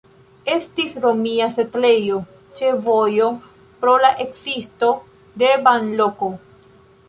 Estis romia setlejo ĉe vojo pro la ekzisto de banloko.